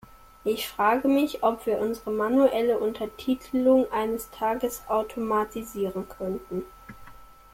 Ich frage mich, ob wir unsere manuelle Untertitelung eines Tages automatisieren könnten.